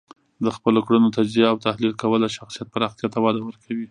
د خپلو کړنو تجزیه او تحلیل کول د شخصیت پراختیا ته وده ورکوي.